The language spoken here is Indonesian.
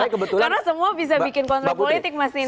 karena semua bisa bikin kontrak politik mas indra